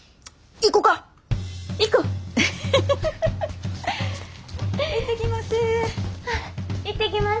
行ってきます！